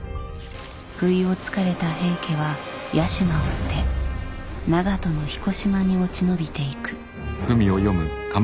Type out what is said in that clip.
不意をつかれた平家は屋島を捨て長門の彦島に落ち延びていく。